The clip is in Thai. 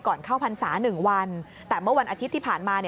เข้าพรรษา๑วันแต่เมื่อวันอาทิตย์ที่ผ่านมา